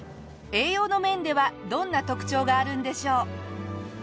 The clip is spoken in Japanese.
栄養の面ではどんな特徴があるんでしょう？